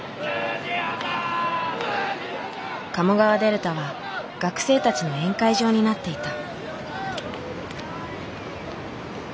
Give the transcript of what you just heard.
鴨川デルタは学生たちの宴会場になっていた。